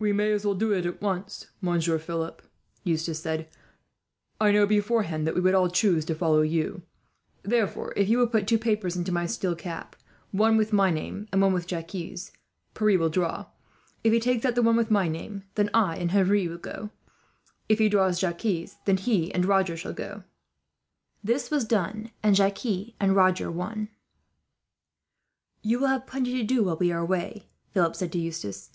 "We may as well do it at once, Monsieur Philip," Eustace said. "I know, beforehand, that we would all choose to follow you; therefore if you will put two papers into my steel cap, one with my name, and one with Jacques', Pierre shall draw. If he takes out the one with my name, then I and Henri will go with you. If he draws Jacques, then he and Roger shall go." This was done, and Jacques and Roger won. "You will have plenty to do, while we are away," Philip said to Eustace.